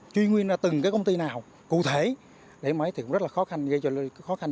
chuyên nguyên từng công ty nào cụ thể để máy thì cũng rất là khó khăn cho lực lượng chức năng